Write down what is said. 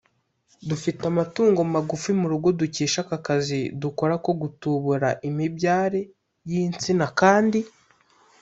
dufite amatungo magufi mu rugo dukesha aka kazi dukora ko gutubura imibyare y’insina kandi